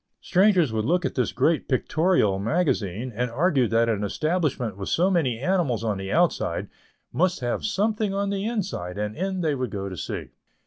Strangers would look at this great pictorial magazine and argue that an establishment with so many animals on the outside must have something on the inside, and in they would go to see.